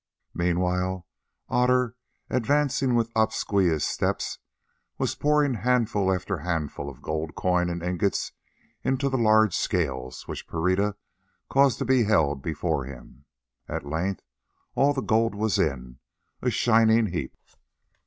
Meanwhile Otter, advancing with obsequious steps, was pouring handful after handful of gold coin and ingots into the large scales which Pereira caused to be held before him. At length all the gold was in, a shining heap.